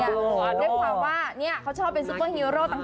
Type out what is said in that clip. ด้วยความว่าเขาชอบเป็นซุปเปอร์ฮีโร่ต่าง